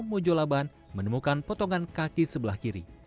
mojolaban menemukan potongan kaki sebelah kiri